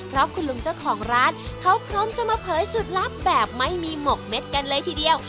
เพราะคุณลุงเจ้าของร้านเขาพร้อมจะมาเผยสูตรลับแบบไม่มีหมกเม็ดกันเลยทีเดียว